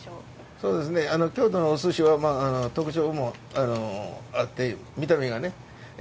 そうですね京都のお寿司は特徴もあって見た目が華やかで。